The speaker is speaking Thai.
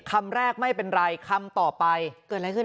คำแรกไม่เป็นไรคำต่อไป